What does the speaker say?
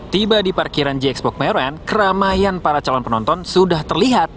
tiba di parkiran g expo kemayoran keramaian para calon penonton sudah terlihat